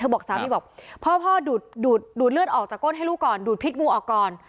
บอกสามีบอกพ่อดูดเลือดออกจากก้นให้ลูกก่อนดูดพิษงูออกก่อน